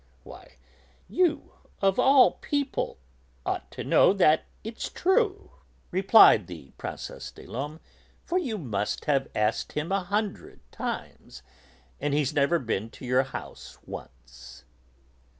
"Why, you, of all people, ought to know that it's true," replied the Princesse des Laumes, "for you must have asked him a hundred times, and he's never been to your house once."